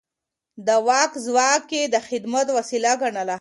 د واک ځواک يې د خدمت وسيله ګڼله.